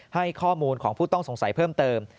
ให้ข้อมูลของผู้ต้องสงสัยเพิ่มเติม